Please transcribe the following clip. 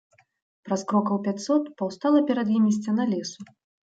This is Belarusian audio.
Праз крокаў пяцьсот паўстала перад імі сцяна лесу.